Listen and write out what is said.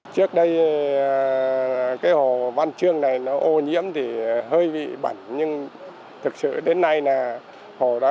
trước đây cái hồ văn trương này nó ô nhiễm thì hơi bị bẩn nhưng thực sự đến nay là hồ đã